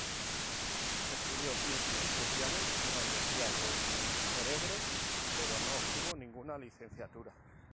Estudió Ciencias Sociales en la Universidad de Örebro pero no obtuvo ni una licenciatura.